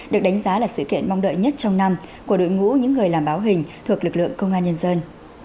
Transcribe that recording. được đánh giá là sự kiện mong đợi nhất trong năm của đội ngũ những người làm báo hình thuộc lực lượng công an nhân dân